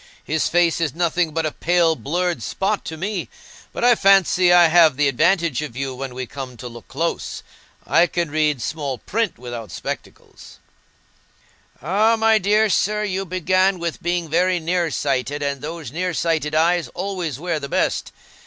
His face is nothing but a pale blurred spot to me. But I fancy I have the advantage of you when we come to look close. I can read small print without spectacles." "Ah, my dear sir, you began with being very near sighted, and those near sighted eyes always wear the best.